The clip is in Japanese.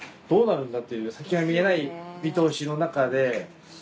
どうなるんだっていう先が見えない見通しの中で。